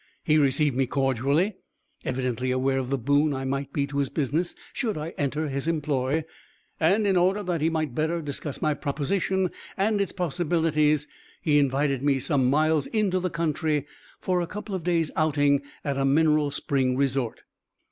He received me cordially, evidently aware of the boon I might be to his business should I enter his employ, and in order that he might better discuss my proposition and its possibilities, he invited me some miles into the country for a couple of days' outing at a mineral spring resort.